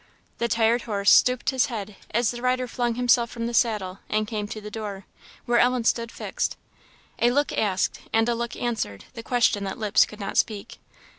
The tired horse stooped his head, as the rider flung himself from the saddle, and came to the door, where Ellen stood fixed. A look asked, and a look answered, the question that lips could not speak.